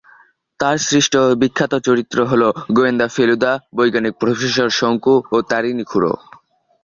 তার সৃষ্ট বিখ্যাত চরিত্র হল গোয়েন্দা ফেলুদা, বৈজ্ঞানিক প্রফেসর শঙ্কু ও তারিনীখুড়ো।